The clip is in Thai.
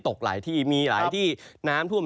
ตกหลายที่มีหลายที่น้ำท่วม